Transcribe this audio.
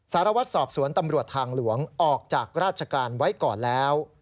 สารวัตรสอบสวนตำรวจทางหลวงออกจากราชการไว้ก่อนแล้ว